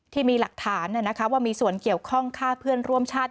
ที่มีหลักฐานนะนะคะว่ามีส่วนเกี่ยวข้อ้องฝรั่งเบื่อนร่วมชาติ